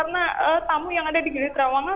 karena tamu yang ada di gili trawangan